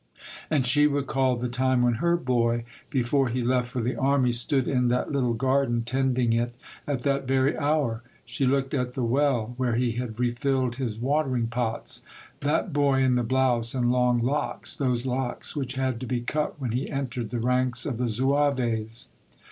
And she recalled the time when her boy, before he left for the army, stood in that little garden, tending it, at that very hour. She looked at the well where he had refilled his watering pots, — that boy in the blouse and long locks, those locks which had to be cut when he entered the ranks of tht zouaves.